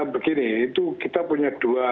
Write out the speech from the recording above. begini itu kita punya dua